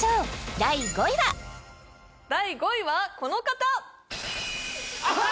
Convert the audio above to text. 第５位はこの方！